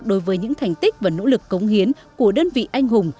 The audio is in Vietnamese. đối với những thành tích và nỗ lực cống hiến của đơn vị anh hùng